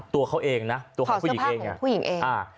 ตัวเขาเองนะตัวของผู้หญิงเองถอดเสื้อผ้าของผู้หญิงเอง